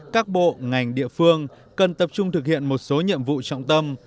các bộ ngành địa phương cần tập trung thực hiện một số nhiệm vụ trọng tâm